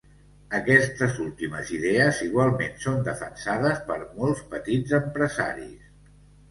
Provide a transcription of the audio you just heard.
Aquestes últimes idees igualment són defensades per molts petits empresaris.